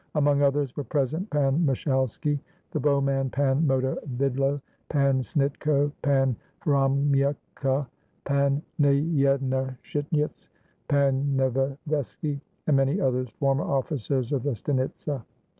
Among others were present Pan Mushalski, the bowman, Pan Moto vidlo, Pan Snitko, Pan Hromyka, Pan Nyenashinyets, Pan Novoveski, and many others, former officers of the stanitsa.